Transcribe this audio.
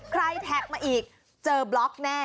แท็กมาอีกเจอบล็อกแน่